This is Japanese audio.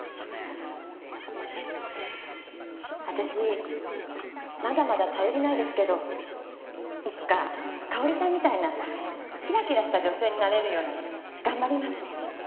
私まだまだ頼りないですけどいつか香織さんみたいなキラキラした女性になれるように頑張ります。